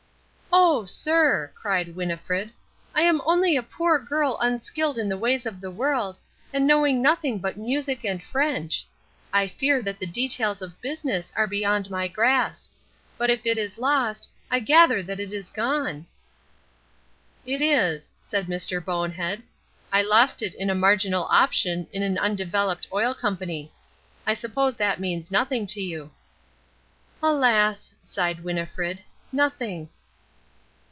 "Oh, sir," cried Winnifred, "I am only a poor girl unskilled in the ways of the world, and knowing nothing but music and French; I fear that the details of business are beyond my grasp. But if it is lost, I gather that it is gone." "It is," said Mr. Bonehead. "I lost it in a marginal option in an undeveloped oil company. I suppose that means nothing to you." "Alas," sighed Winnifred, "nothing."